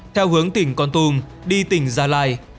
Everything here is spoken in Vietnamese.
theo hướng tỉnh con tùm đi tỉnh gia lai